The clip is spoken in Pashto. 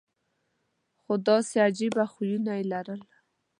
خو داسې عجیبه خویونه یې لرل.